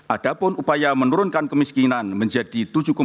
adapun upaya menurunkan kemiskinan menjadi tujuh lima